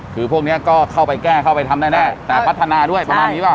คือพวกนี้ก็เข้าไปแก้เข้าไปทำแน่แต่พัฒนาด้วยประมาณนี้เปล่า